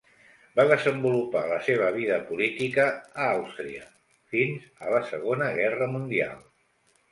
Va desenvolupar la seva vida política a Àustria fins a la Segona Guerra Mundial.